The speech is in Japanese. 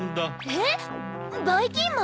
えっばいきんまん？